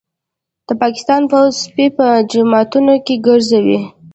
د پاکستان پوځ سپي په جوماتونو کي ګرځوي